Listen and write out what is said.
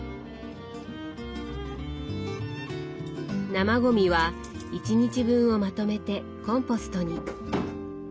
生ゴミは１日分をまとめてコンポストに。